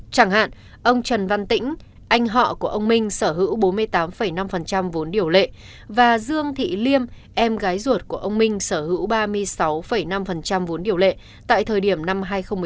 chẳng hạn ông trần văn tĩnh anh họ của ông minh sở hữu bốn mươi tám năm vốn điều lệ và dương thị liêm em gái ruột của ông minh sở hữu ba mươi sáu năm vốn điều lệ tại thời điểm năm hai nghìn một mươi tám